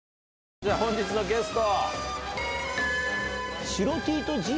じゃあ本日のゲスト。